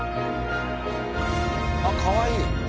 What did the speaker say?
あっかわいい。